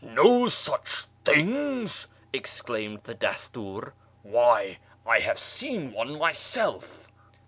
" No such things !" exclaimed the Dastiir, " why, 1 have seen one myself."